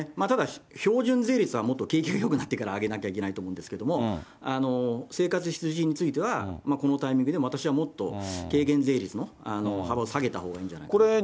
ただ、標準税率はもっと景気がよくなってから上げなきゃいけないと思うんですけれども、生活必需品については、このタイミングで、私はもっと軽減税率の幅を提げたほうがいいんじゃないかと。